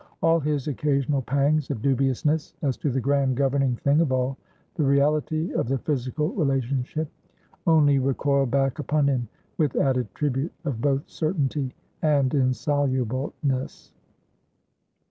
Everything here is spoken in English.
All his occasional pangs of dubiousness as to the grand governing thing of all the reality of the physical relationship only recoiled back upon him with added tribute of both certainty and insolubleness.